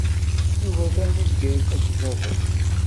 Yuba atan deg Bgayet akked baba-s.